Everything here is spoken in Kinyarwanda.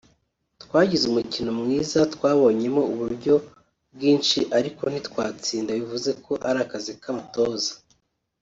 twagize umukino mwiza twabonyemo uburyo bwinshiariko ntitwatsinda bivuze ko ari akazi k’abatoza